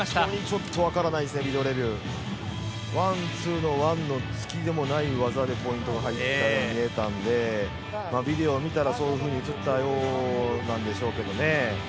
ワンツーのワンの突きでもない技でポイントが入ったように見えたので、ビデオを見たらそういうふうに映ったようなんでしょうけどね。